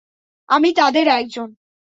আমি তাদের একজন।